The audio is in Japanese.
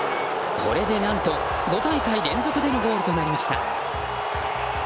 これで何と５大会連続のゴールとなりました。